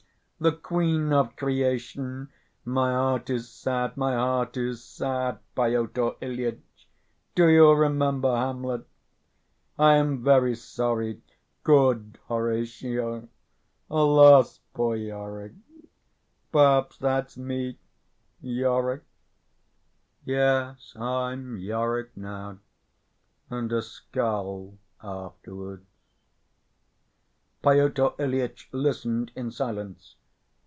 The queen of creation! My heart is sad, my heart is sad, Pyotr Ilyitch. Do you remember Hamlet? 'I am very sorry, good Horatio! Alas, poor Yorick!' Perhaps that's me, Yorick? Yes, I'm Yorick now, and a skull afterwards." Pyotr Ilyitch listened in silence.